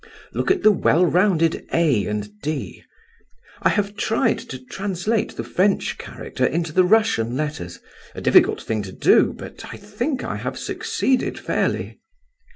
Look at the well rounded a and d. I have tried to translate the French character into the Russian letters—a difficult thing to do, but I think I have succeeded fairly.